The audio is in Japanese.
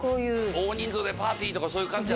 大人数でパーティーとかそういう感じじゃなかった？